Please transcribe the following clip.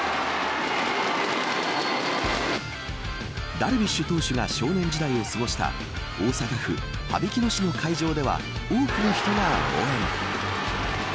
ダルビッシュ投手が少年時代を過ごした大阪府、羽曳野市の会場では多くの人が応援。